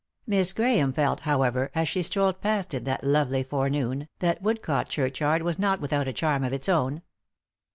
Miss Grahame felt, however, as she strolled past it that lovely forenoon that Woodcote churchyard was not without a charm of its own.